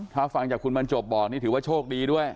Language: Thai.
ถ้าฟังจากคุณบรรจบบอกนี่ถือว่าโชคดีด้วย